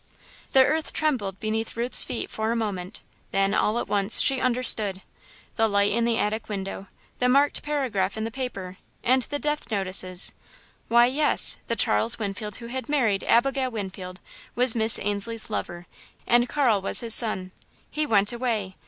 The earth trembled beneath Ruth's feet for a moment, then, all at once, she understood. The light in the attic window, the marked paragraph in the paper, and the death notices why, yes, the Charles Winfield who had married Abigail Weatherby was Miss Ainslie's lover, and Carl was his son. "He went away!"